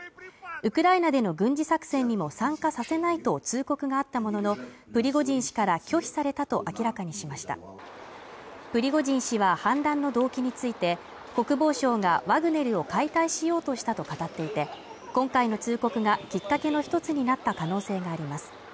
ウクライナでの軍事作戦にも参加させないと通告があったものの、プリゴジン氏から拒否されたと明らかにしましたプリゴジン氏は反乱の動機について国防省がワグネルを解体しようとしたと語っていて、今回の通告がきっかけの一つになった可能性があります。